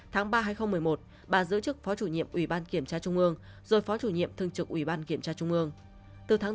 tháng ba hai nghìn một mươi một bà giữ chức phó chủ nhiệm ủy ban kiểm tra trung ương rồi phó chủ nhiệm thương trực ủy ban kiểm tra trung ương